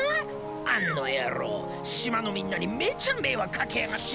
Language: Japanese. あんの野郎島のみんなにめっちゃ迷惑かけやがって。